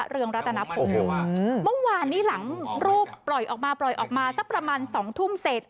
รู้ว่านี้หลังรูปออกมาปล่อยออกมาประมาณสองทุ่มเสร็จ